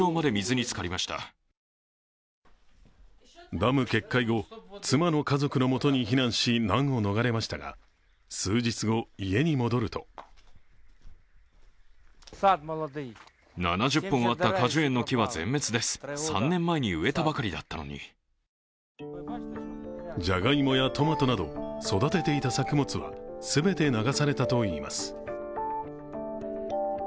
ダム決壊後、妻の家族のもとに避難し、難を逃れましたが、数日後家に戻るとじゃがいもやトマトなど育てていた作物は全て流されたといいます。